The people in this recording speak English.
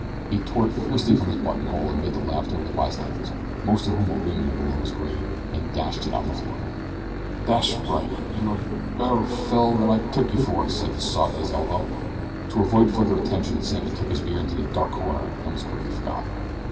He tore it fiercely from his button hole, amid the laughter of the bystanders most of whom were women of the lowest grade and dashed it on the floor. "Thash right. You're a berrer feller than I took you for," said the sot at his elbow. To avoid further attention Sammy took his beer into a dark corner and was quickly forgotten.